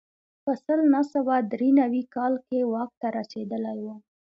په سل نه سوه درې نوي کال کې واک ته رسېدلی و.